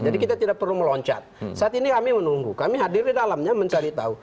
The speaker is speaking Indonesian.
jadi kita tidak perlu meloncat saat ini kami menunggu kami hadir di dalamnya mencari tahu